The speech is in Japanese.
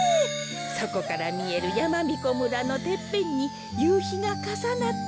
そこからみえるやまびこ村のてっぺんにゆうひがかさなってやまがかがやいていたの。